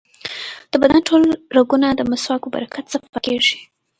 د بدن ټول رګونه د مسواک په برکت صفا کېږي.